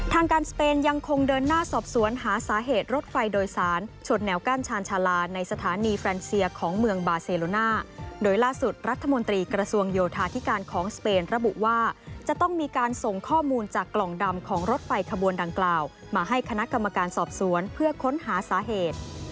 ทางการสเปนยังคงเดินหน้าสอบสวนหาสาเหตุรถไฟโดยสารชนแนวกั้นชาญชาลาในสถานีแฟนเซียของเมืองบาเซโลน่าโดยล่าสุดรัฐมนตรีกระทรวงโยธาธิการของสเปนระบุว่าจะต้องมีการส่งข้อมูลจากกล่องดำของรถไฟขบวนดังกล่าวมาให้คณะกรรมการสอบสวนเพื่อค้นหาสาเหตุ